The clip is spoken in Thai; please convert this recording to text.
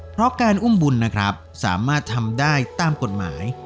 เพราะการอุ้มบุญนะครับสามารถทำได้ตามกฎหมาย